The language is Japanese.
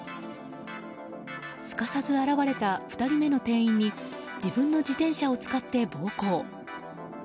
すかさず現れた２人目の店員に自分の自転車を使って暴行。